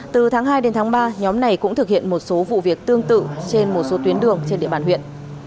từ tháng hai đến tháng ba nhóm này cũng thực hiện một số vụ việc tương tự trên một số tuyến đường trên địa bàn huyện